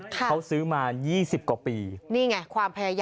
เขาซื้อมา๒๐กว่าปี